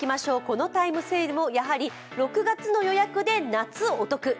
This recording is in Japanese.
このタイムセールもやはり６月の予約で夏、お得。